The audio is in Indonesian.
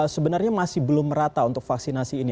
sebenarnya masih belum merata untuk vaksinasi ini